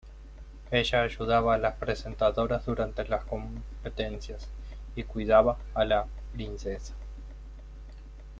Ella ayudaba a las presentadoras durante las competencias y cuidaba a la "Princesa".